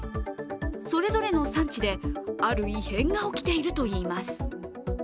それぞれの産地である異変が起きているといいます。